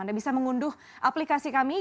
anda bisa mengunduh aplikasi kami